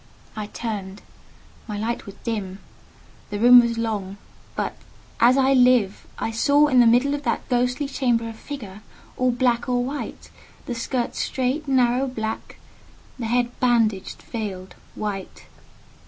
I turned: my light was dim; the room was long—but as I live! I saw in the middle of that ghostly chamber a figure all black and white; the skirts straight, narrow, black; the head bandaged, veiled, white.